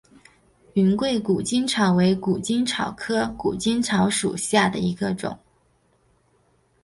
云贵谷精草为谷精草科谷精草属下的一个种。